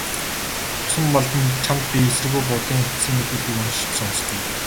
Лувсанбалдан чамд би эсэргүү Будын эцсийн мэдүүлгийг уншиж сонсгоё.